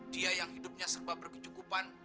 dia yang hidupnya serba berkecukupan